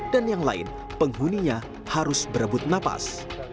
dan yang lain penghuninya harus berebut napas